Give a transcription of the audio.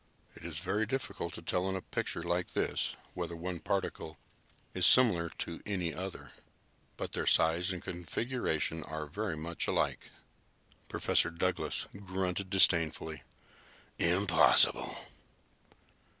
"It is very difficult to tell in a picture like this whether one particle is similar to any other, but their size and configuration are very much alike." Professor Douglas grunted disdainfully. "Impossible!"